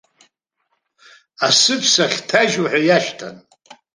Асыԥса ахьҭажьуҳәа иашьҭан.